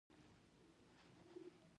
بهلول د خپلې لور په ځواب کې وویل.